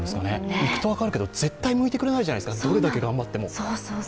行くと分かるけど、絶対向いてくれないじゃないですか、どう頑張っても。